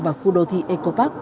và khu đô thị eco park